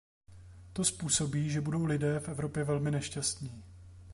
To způsobí, že budou lidé v Evropě velmi nešťastní.